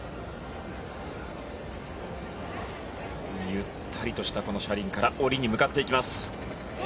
ゆったりとしたこの車輪から下りに向かっていきます。